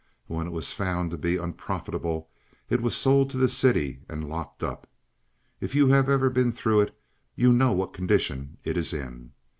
When it was found to be unprofitable it was sold to the city and locked up. If you have ever been through it you know what condition it is in.